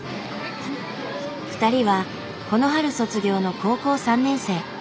２人はこの春卒業の高校３年生。